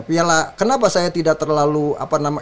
piala kenapa saya tidak terlalu apa namanya